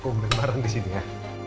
komentaran di sini ya